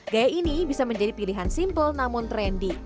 gaya ini bisa menjadi pilihan simple namun trendy